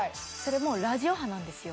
もうラジオ波なんですよ